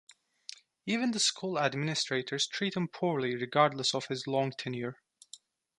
Even the school administrators treat him poorly regardless of his long tenure.